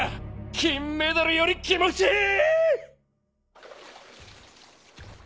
金メダルより気持ちいい！